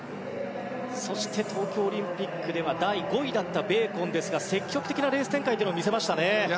そして東京オリンピックで第５位だったベーコンですが積極的なレース展開を見せましたね。